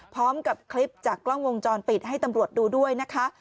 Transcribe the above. พร้อมกับคลิปจากกล้องวงจรปิดให้ตำรวจดูด้วยนะคะ